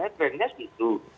trendnya seperti itu